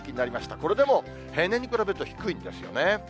これでも平年に比べると低いんですよね。